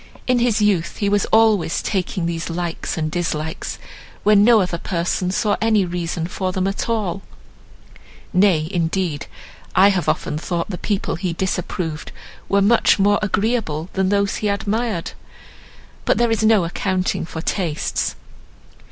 In his youth he was always taking these likes and dislikes, when no other person saw any reason for them at all; nay, indeed, I have often thought the people he disapproved were much more agreeable than those he admired;—but there is no accounting for tastes.